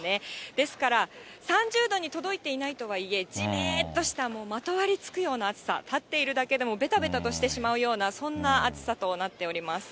ですから、３０度に届いていないとはいえ、じめーっとしたまとわりつくような暑さ、立っているだけでもべたべたとしてしまうような、そんな暑さとなっております。